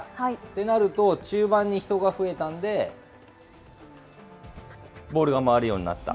となると、中盤に人が増えたんで、ボールが回るようになった。